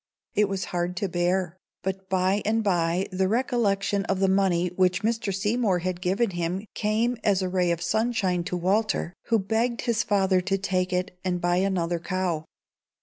It was hard to bear; but by and by the recollection of the money which Mr. Seymour had given him came as a ray of sunshine to Walter, who begged his father to take it and buy another cow.